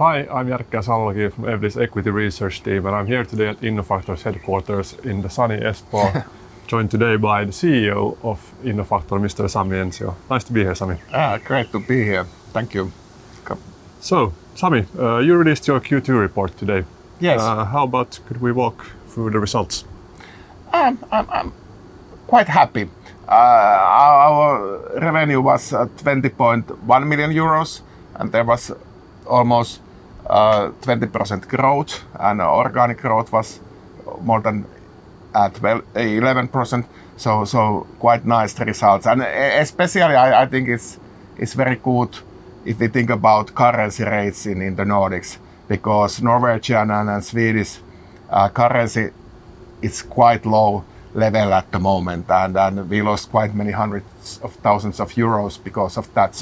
Hi, I'm Jarkko Salokangas from Evli's Equity Research Team, and I'm here today at Innofactor's headquarters in the sunny Espoo. Joined today by the CEO of Innofactor, Mr. Sami Ensio. Nice to be here, Sami. Great to be here. Thank you. Welcome. Sami, you released your Q2 report today. Yes. How about could we walk through the results? I'm quite happy. Our revenue was at 20.1 million euros, and there was almost 20% growth, and organic growth was more than 11%, so quite nice results. Especially I think it's very good if they think about currency rates in the Nordics. Because Norwegian and Swedish currency is quite low level at the moment, and we lost quite many hundreds of thousands of EUR because of that.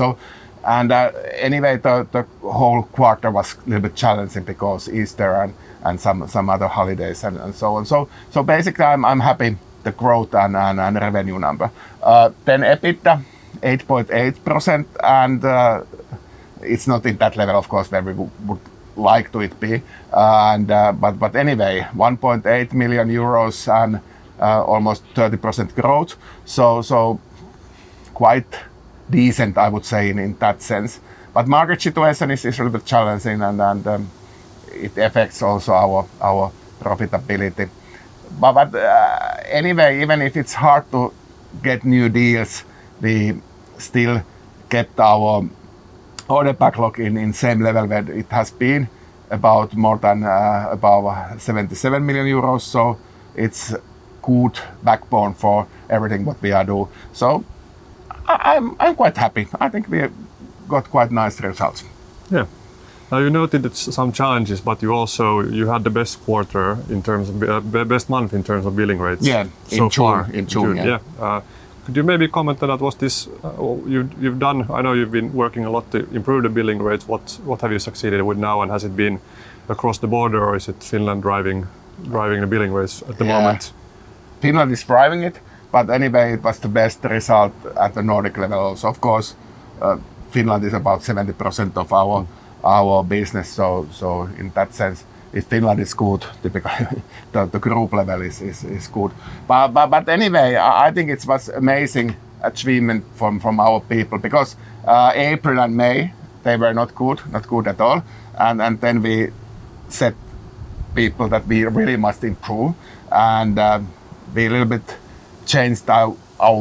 Anyway, the whole quarter was a little bit challenging because Easter and some other holidays and so on. Basically, I'm happy the growth and revenue number. EBITDA, 8.8%, it's not in that level, of course, that we would like to it be. anyway, 1.8 million euros and almost 30% growth, so quite decent, I would say, in that sense. Market situation is a little bit challenging, and it affects also our profitability. anyway, even if it's hard to get new deals, we still kept our order backlog in same level that it has been, about more than 77 million euros. It's good backbone for everything what we are do. I'm quite happy. I think we have got quite nice results. Yeah. Now, you noted it's some challenges, but you also. You had the best quarter in terms of best month in terms of billing rates- Yeah... so far. In June. Yeah. Could you maybe comment on that? Was this? I know you've been working a lot to improve the billing rates. What have you succeeded with now, and has it been across the border, or is it Finland driving the billing rates at the moment? Yeah, Finland is driving it, but anyway, it was the best result at the Nordic levels. Of course, Finland is about 70% of our business, so in that sense, if Finland is good, the group level is good. Anyway, I think it was amazing achievement from our people because April and May, they were not good at all. Then we said, people, that we really must improve, and we a little bit changed our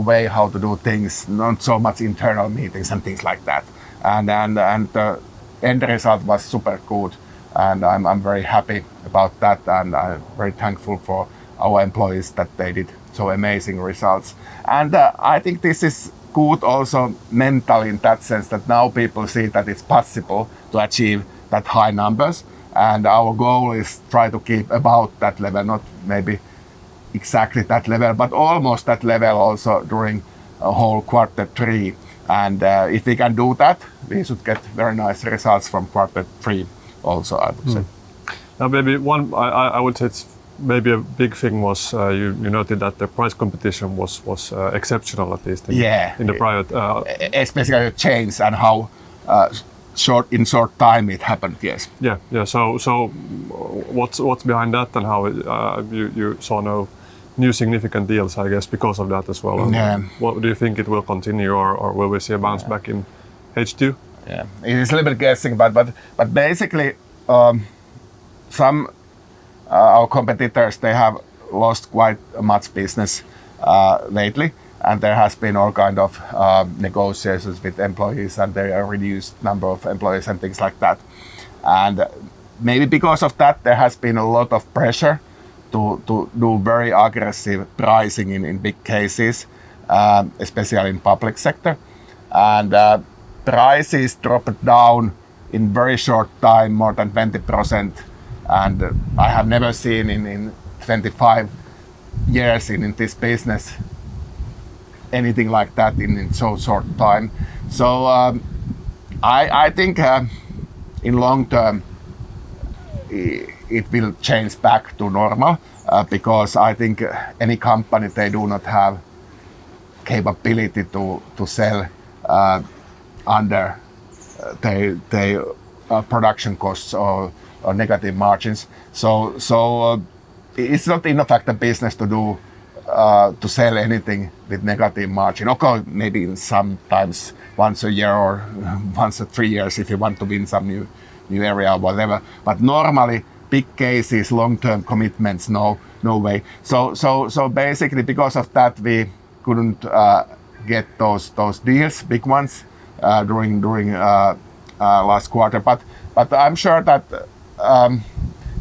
way how to do things, not so much internal meetings and things like that. The end result was super good, and I'm very happy about that, and I'm very thankful for our employees that they did so amazing results. I think this is good also mentally in that sense that now people see that it's possible to achieve that high numbers. Our goal is try to keep about that level, not maybe exactly that level, but almost that level also during whole quarter three. If we can do that, we should get very nice results from quarter three also, I would say. Maybe I would say it's maybe a big thing was, you noted that the price competition was, exceptional at least. Yeah... in the private. especially the change and how, in short time it happened, yes. Yeah, yeah. What's behind that, and how you saw no new significant deals, I guess, because of that as well? Yeah. Well, do you think it will continue, or will we see a bounce back in H2? It is a little bit guessing, but basically, some of our competitors, they have lost quite much business lately, and there has been all kind of negotiations with employees, and they are reduced number of employees and things like that. Maybe because of that, there has been a lot of pressure to do very aggressive pricing in big cases, especially in public sector. Prices dropped down in very short time, more than 20%, and I have never seen in 25 years in this business anything like that in so short time. I think, in long term, it will change back to normal, because I think any company, they do not have capability to sell under their production costs or negative margins. It's not in the fact a business to do, to sell anything with negative margin. Okay, maybe in sometimes, once a year or once in three years, if you want to win some new area or whatever. Normally, big cases, long-term commitments, no way. Basically because of that, we couldn't get those deals, big ones, during last quarter. I'm sure that,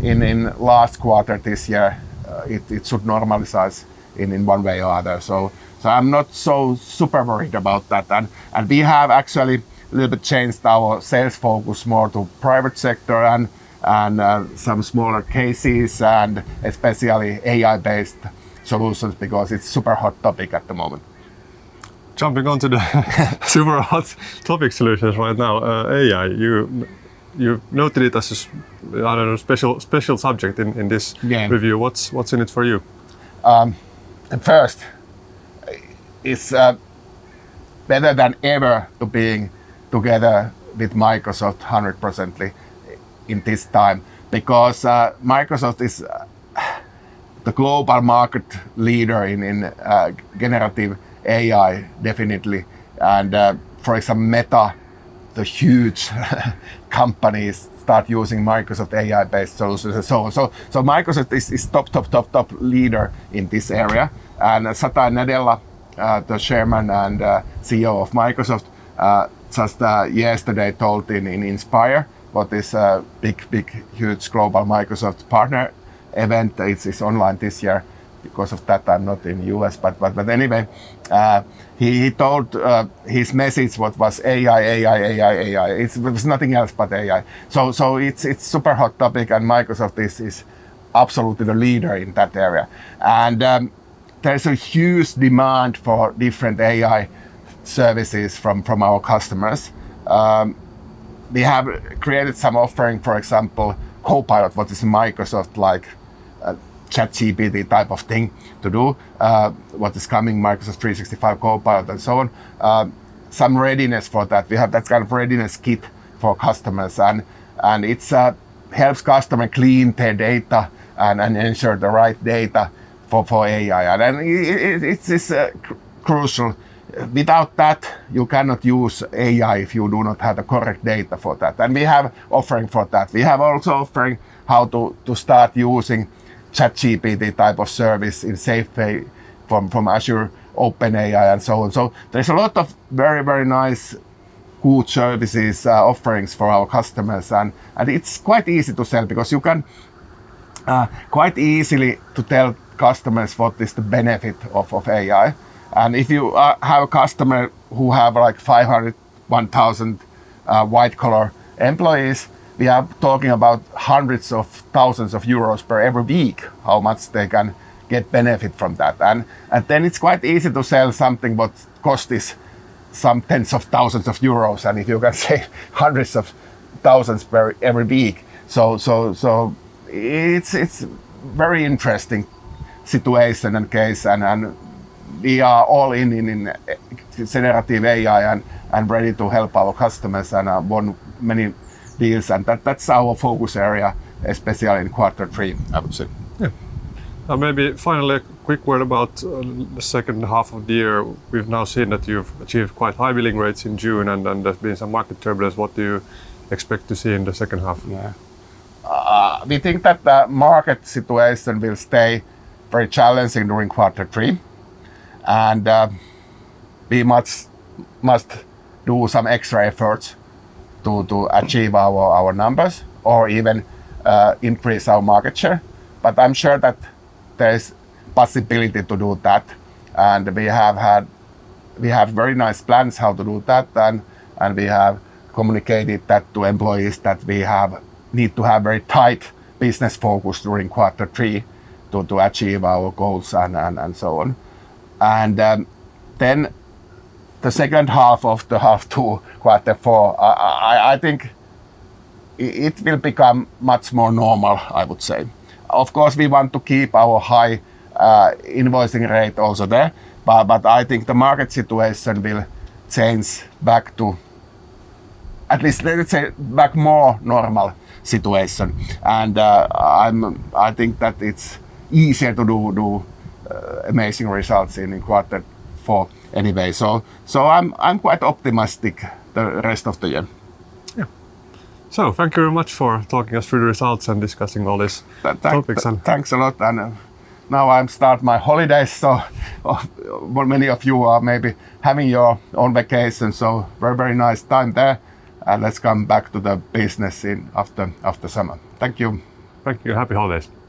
in last quarter this year, it should normalize in one way or other. I'm not so super worried about that. We have actually a little bit changed our sales focus more to private sector and, some smaller cases, and especially AI-based solutions, because it's super hot topic at the moment. Jumping onto the super hot topic solutions right now, AI, You've noted it as a I don't know, special subject in this. Yeah Review. What's in it for you? Better than ever to being together with Microsoft 100%ly this time, because Microsoft is the global market leader in generative AI, definitely. For example, Meta, the huge companies, start using Microsoft AI-based solutions and so on. Microsoft is top leader in this area. Satya Nadella, the Chairman and CEO of Microsoft, just yesterday told in Inspire about this huge global Microsoft partner event. It's online this year. Because of that, I'm not in U.S. Anyway, he told his message what was AI. There was nothing else but AI. It's super hot topic, and Microsoft is absolutely the leader in that area. There is a huge demand for different AI services from our customers. We have created some offering, for example, Copilot, what is Microsoft, like, a ChatGPT type of thing to do, what is coming, Microsoft 365 Copilot and so on. Some readiness for that. We have that kind of readiness kit for customers, and it's helps customer clean their data and ensure the right data for AI. It is crucial. Without that, you cannot use AI if you do not have the correct data for that, and we have offering for that. We have also offering how to start using ChatGPT type of service in safe way from Azure, OpenAI, and so on. There's a lot of very nice, good services, offerings for our customers. It's quite easy to sell, because you can quite easily to tell customers what is the benefit of AI. If you have a customer who have, like, 500, 1,000 white-collar employees, we are talking about hundreds of thousands of EUR per every week, how much they can get benefit from that. Then it's quite easy to sell something what cost is some tens of thousands of EUR, and if you can save hundreds of thousands of EUR per every week. It's very interesting situation and case and we are all in generative AI and ready to help our customers, and have won many deals, and that's our focus area, especially in quarter three, I would say. Yeah. Now, maybe finally, a quick word about the second half of the year. We've now seen that you've achieved quite high billing rates in June, and then there's been some market turbulence. What do you expect to see in the second half of the year? We think that the market situation will stay very challenging during quarter three, we must do some extra efforts to achieve our numbers or even increase our market share. I'm sure that there's possibility to do that, we have very nice plans how to do that then, we have communicated that to employees, that we need to have very tight business focus during quarter three to achieve our goals and so on. Then the second half of the half two, quarter four, I think it will become much more normal, I would say. Of course, we want to keep our high invoicing rate also there, but I think the market situation will change back to at least, let's say, back more normal situation. I think that it's easier to do amazing results in quarter four anyway. I'm quite optimistic the rest of the year. Yeah. Thank you very much for talking us through the results and discussing all this topics. Thanks a lot. Now I'm start my holidays, so well, many of you are maybe having your own vacation, so very, very nice time there, and let's come back to the business in after summer. Thank you. Thank you. Happy holidays.